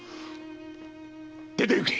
出ていけ！